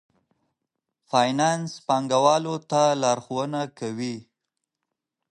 فینانس پانګوالو ته لارښوونه کوي.